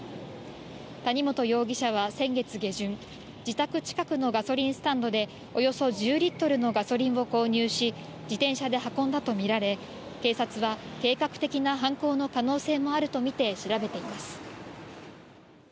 谷本容疑者は先月下旬、自宅近くのガソリンスタンドでおよそ１０リットルのガソリンを購入し、自転車で運んだとみられ警察は計画的な犯行の可能性もあるとみて調べています。